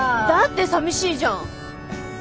だって寂しいじゃん。